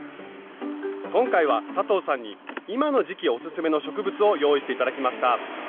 今回は佐藤さんに今の時期オススメの植物を用意して頂きました。